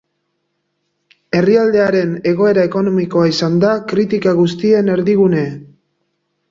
Herrialdearen egoera ekonomikoa izan da kritika guztien erdigune.